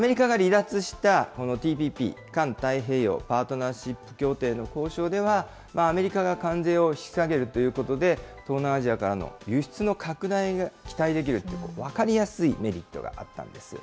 アメリカが離脱した、ＴＰＰ・環太平洋パートナーシップ協定の交渉では、アメリカが関税を引き下げるということで、東南アジアからの輸出の拡大が期待できるって分かりやすいメリットがあったんです。